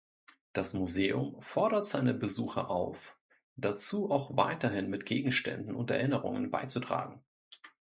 Das Museum fordert seine Besucher auf, dazu auch weiterhin mit Gegenständen und Erinnerungen beizutragen.